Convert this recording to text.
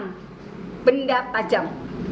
tidak ada luka akibat tusukan